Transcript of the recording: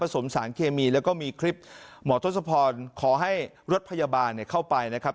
สมสารเคมีแล้วก็มีคลิปหมอทศพรขอให้รถพยาบาลเข้าไปนะครับ